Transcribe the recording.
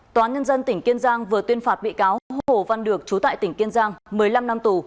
tòa án nhân dân tỉnh kiên giang vừa tuyên phạt bị cáo hồ văn được trú tại tỉnh kiên giang một mươi năm năm tù